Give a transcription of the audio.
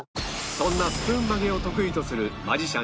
そんなスプーン曲げを得意とするマジシャン